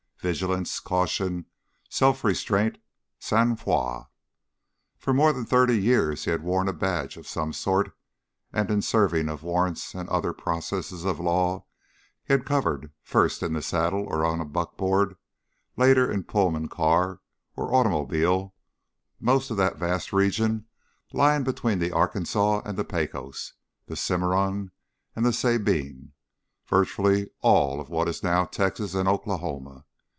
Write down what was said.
vigilance, caution, self restraint, sang froid. For more than thirty years he had worn a badge of some sort and, in the serving of warrants and other processes of law, he had covered, first in the saddle or on buckboard, later in Pullman car or automobile, most of that vast region lying between the Arkansas and the Pecos, the Cimarron, and the Sabine virtually all of what is now Texas and Oklahoma.